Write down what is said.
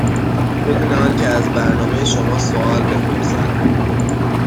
بدون آنکه از برنامه شما سوال بپرسند.